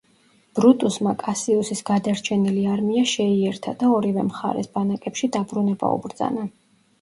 ბრუტუსმა კასიუსის გადარჩენილი არმია შეიერთა და ორივე მხარეს ბანაკებში დაბრუნება უბრძანა.